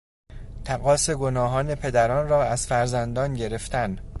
تقاص گناهان پدران را از فرزندان گرفتن